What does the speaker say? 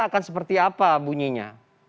akan seperti apa bunyinya